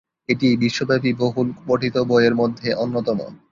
এটি বিশ্বব্যাপী বহুল পঠিত বইয়ের মধ্যে অন্যতম।